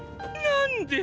何で⁉